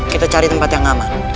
kita cari tempat yang aman